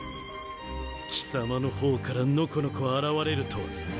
貴様の方からノコノコ現れるとはな。